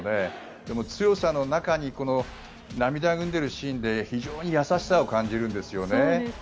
でも、強さの中にこの涙ぐんでいるシーンで非常に優しさを感じるんですよね。